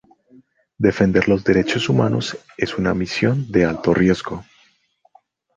Defender los Derechos Humanos es una misión de alto riesgo.